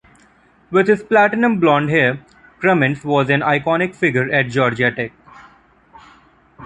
With his platinum blond hair, Cremins was an iconic figure at Georgia Tech.